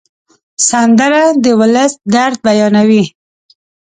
سندره د ولس درد بیانوي